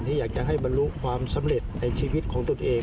อยากจะให้บรรลุความสำเร็จในชีวิตของตนเอง